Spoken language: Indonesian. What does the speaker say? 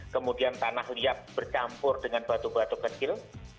kemudian tanah liat bercampur dengan batu batu kecil